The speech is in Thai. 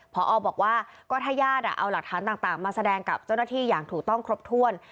พอบอกว่าก็ถ้าญาติเอาหลักฐานต่างมาแสดงกับเจ้าหน้าที่อย่างถูกต้องครบถ้วน